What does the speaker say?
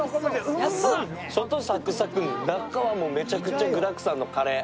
外サクサク、中はもうめちゃくちゃ具だくさんのカレー。